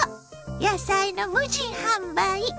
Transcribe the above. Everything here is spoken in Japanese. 野菜の無人販売。